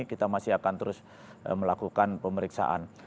kita masih akan terus melakukan pemeriksaan